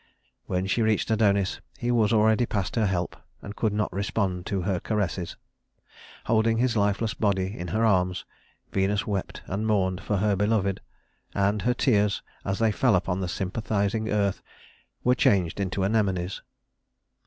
When she reached Adonis, he was already past her help and could not respond to her caresses. Holding his lifeless body in her arms, Venus wept and mourned for her beloved; and her tears, as they fell upon the sympathizing earth, were changed into anemones.